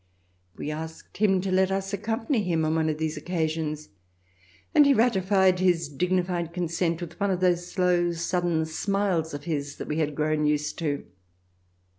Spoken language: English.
We asked him to let us accompany him on one of these occasions, and he ratified his dignified consent with one of those slow sudden smiles of his that we had grown used to.